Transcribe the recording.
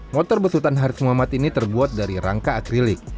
motor besutan harif muhammad ini terbuat dari rangka akrilik